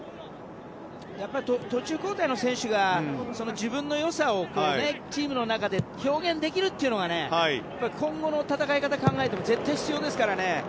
途中交代の選手が自分の良さをチームの中で表現できるというのが今後の戦い方を考えても絶対、必要ですからね。